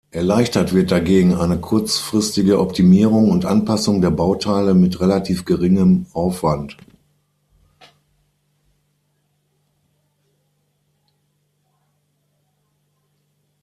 Erleichtert wird dagegen eine kurzfristige Optimierung und Anpassung der Bauteile mit relativ geringem Aufwand.